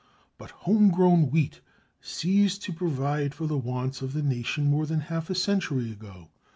But home grown wheat ceased to provide for the wants of the nation more than half a century ago.